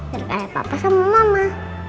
daripada papa sama mama